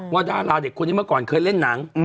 ดาราเด็กคนนี้เมื่อก่อนเคยเล่นหนัง